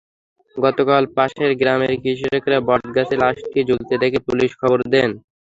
গতকাল পাশের গ্রামের কৃষকেরা বটগাছে লাশটি ঝুলতে দেখে পুলিশে খবর দেন।